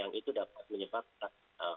yang itu dapat menyebabkan